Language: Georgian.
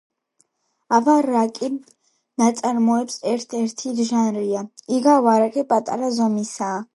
ავ-არაკი ნაწარმოების ერთ-ერთი ჟანრია. იგავ-არაკი პატარა ზომისაა.